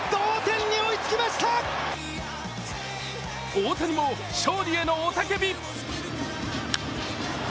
大谷も勝利への雄たけび。